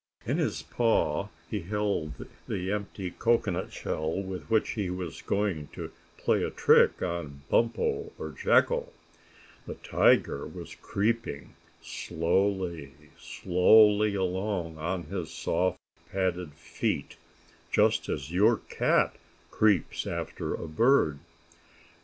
In his paw he held the empty cocoanut shell with which he was going to play a trick on Bumpo or Jacko. The tiger was creeping, slowly, slowly along, on his soft, padded feet, just as your cat creeps after a bird.